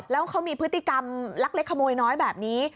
แล้วเขามีพฤติกรรมลักเล็กขโมยน้อยแบบนี้